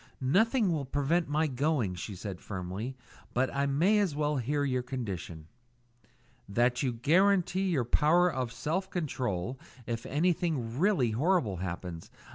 "Nothing will prevent my going," she said firmly; "but I may as well hear your condition." "That you guarantee your power of self control if anything really horrible happens.